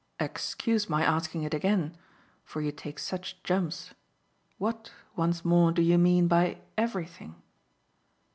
"Excuse my asking it again for you take such jumps: what, once more, do you mean by everything?"